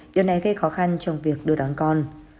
điều này gây khó khăn trong việc đưa đón con